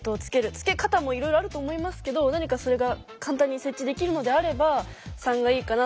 つけ方もいろいろあると思いますけど何かそれが簡単に設置できるのであれば３がいいかな。